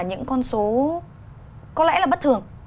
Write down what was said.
những con số có lẽ là bất thường